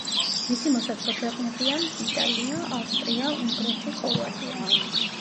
მისი მოსაზღვრე ქვეყნებია: იტალია, ავსტრია, უნგრეთი, ხორვატია.